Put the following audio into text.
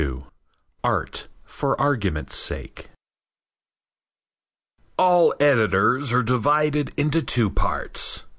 XXXII ART FOR ARGUMENT'S SAKE All editors are divided into two parts.